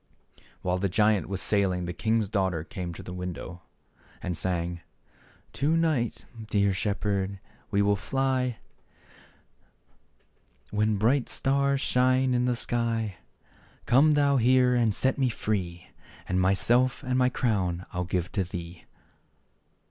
71 While the giant was sailing the king's daughter came to the window and sang :" To night, dear shepherd, we will fly, When bright the stars shine in the sky ; Come thou here and set me free, And myself and my crown I'll give to thee."